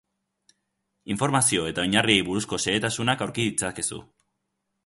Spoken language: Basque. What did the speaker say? Informazio eta oinarriei buruzko xehetasunak aurki ditzakezu.